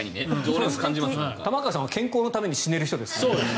玉川さんは健康のために死ねる人ですからね。